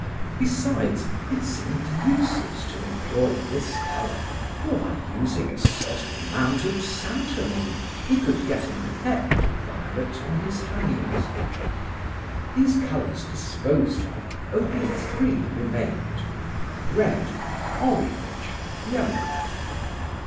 Besides, it seemed useless to employ this color, for by using a certain amount of santonin, he could get an effect of violet on his hangings. These colors disposed of, only three remained: red, orange, yellow.